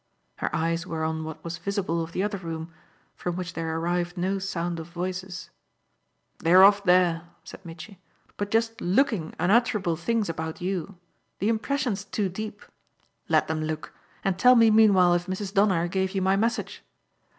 Her eyes were on what was visible of the other room, from which there arrived no sound of voices. "They're off there," said Mitchy, "but just looking unutterable things about you. The impression's too deep. Let them look, and tell me meanwhile if Mrs. Donner gave you my message."